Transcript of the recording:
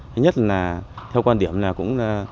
thứ nhất là theo quan điểm là cũng là